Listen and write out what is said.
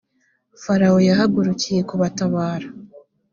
farawo yahagurukiye kubatabara.